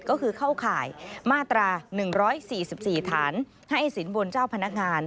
ก็คือเข้าข่ายมาตรา๑๔๔ฐานให้สินบนเจ้าพนักงาน